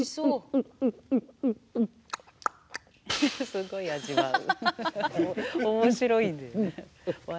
すごい味わう。